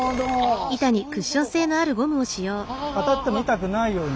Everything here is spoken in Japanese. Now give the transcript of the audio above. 当たっても痛くないように。